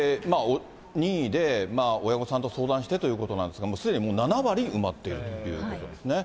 任意で、親御さんと相談してということなんですが、すでにもう７割埋まっているっていうことですね。